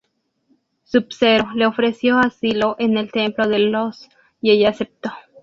Sub-Zero le ofreció asilo en el templo de los y ella aceptó.